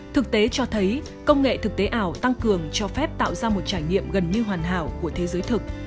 thực tế cho thấy công nghệ thực tế ảo tăng cường cho phép tạo ra một trải nghiệm gần như hoàn hảo của thế giới thực